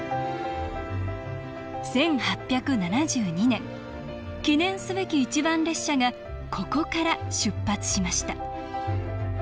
１８７２年記念すべき一番列車がここから出発しました